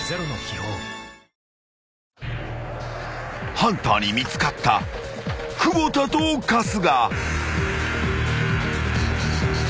［ハンターに見つかった久保田と春日］